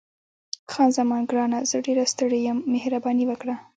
خان زمان: ګرانه، زه ډېره ستړې یم، مهرباني وکړه.